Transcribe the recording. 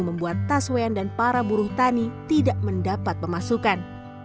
membuat taswean dan para buruh tani tidak mendapat pemasukan